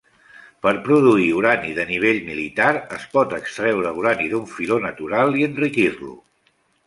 Per produir urani de nivell militar es pot extreure urani d'un filó natural i enriquir-lo.